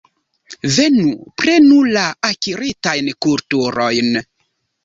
Venu, prenu la akiritajn kulturojn.